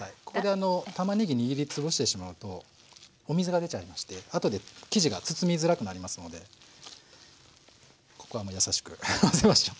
ここでたまねぎ握り潰してしまうとお水が出ちゃいまして後で生地が包みづらくなりますのでここはやさしく混ぜましょう。